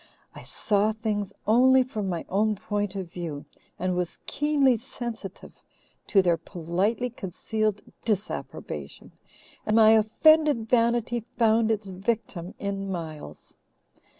I saw things only from my own point of view, and was keenly sensitive to their politely concealed disapprobation, and my offended vanity found its victim in Miles.